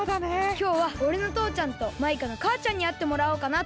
きょうはおれのとうちゃんとマイカのかあちゃんにあってもらおうかなと。